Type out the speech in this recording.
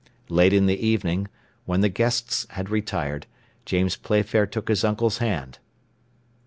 Late in the evening, when the guests had retired, James Playfair took his uncle's hand.